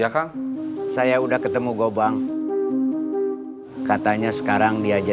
rasanya disebut ada ada